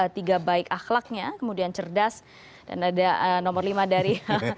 tiga baik akhlaknya kemudian cerdas dan ada nomor lima dari